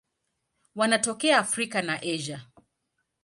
Wanatokea Afrika na Asia.